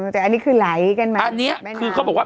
แต่อันนี้คือไหลกันมาอันนี้คือเขาบอกว่า